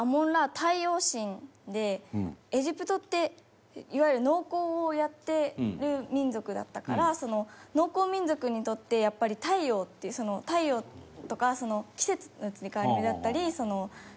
太陽神でエジプトっていわゆる農耕をやってる民族だったから農耕民族にとってやっぱり太陽って太陽とか季節の移り変わりだったり気候ってすごい大事で。